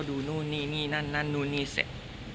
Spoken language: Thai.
ดูนู้นนี่นี่นั่นนานนู้นนี่เศษ